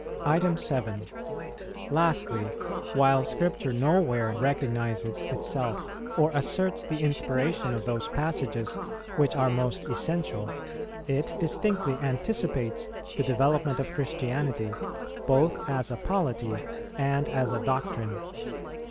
7. Lastly, while Scripture nowhere recognizes itself or asserts the inspiration of those passages which are most essential, it distinctly anticipates the development of Christianity, both as a polity and as a doctrine.